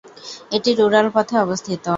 এটি উড়াল পথে অবস্থিত।